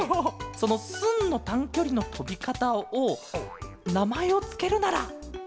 その「スン！」のたんきょりのとびかたをなまえをつけるならだいして。